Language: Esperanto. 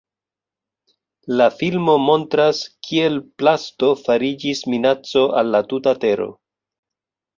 La filmo montras, kiel plasto fariĝis minaco al la tuta tero.